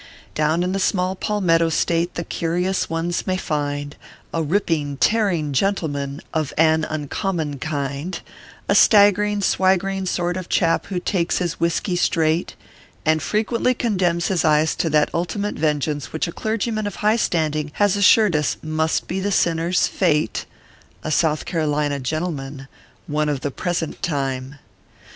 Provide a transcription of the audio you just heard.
Down in the small Palmetto State, the curious ones may find A ripping, tearing gentleman, of an uncommon kind A staggering, swaggering sort of chap, who takes his whiskey straight, And frequently condemns his eyes to that ultimate vengeance which a clergyman of high standing has assured us must be the shi ner s fate ; A South Carolina gentleman, One of the present time.